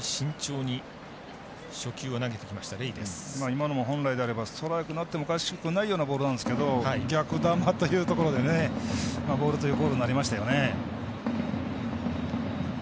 今のも本来であればストライクなってもおかしくないようなボールなんですけど逆球というところでボールになりましたよね。